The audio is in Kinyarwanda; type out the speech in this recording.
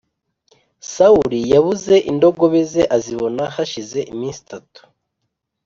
sawuli yabuze indogobe ze azibona hashije iminsi itatu